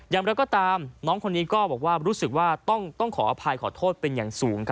อย่างไรก็ตามน้องคนนี้ก็บอกว่ารู้สึกว่าต้องขออภัยขอโทษเป็นอย่างสูง